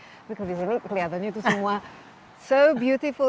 tapi disini kelihatannya itu semua so beautiful